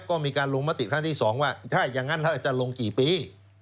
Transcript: ก็มีการลงมาติดท่านที่๒ว่าถ้ายังงั้นจะลงกี่ปี